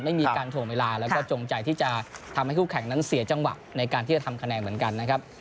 ไม่มีการถ่วงเวลาแล้วก็จงใจที่จะทำให้คู่แข่งนั้นเสียจังหวะในการที่จะทำคะแนนเหมือนกันนะครับ